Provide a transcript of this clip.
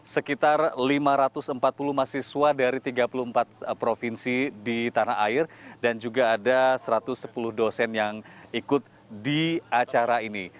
sekitar lima ratus empat puluh mahasiswa dari tiga puluh empat provinsi di tanah air dan juga ada satu ratus sepuluh dosen yang ikut di acara ini